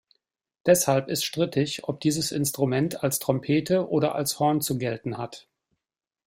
Deshalb ist strittig, ob dieses Instrument als Trompete oder als Horn zu gelten hat.